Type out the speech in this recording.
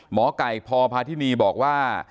หมอไก่พพาธินีบอกว่า